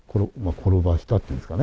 転ばせたっていうんですかね。